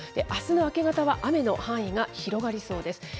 あすの明け方は、雨の範囲が広がりそうです。